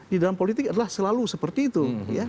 di dalam politik adalah selalu seperti itu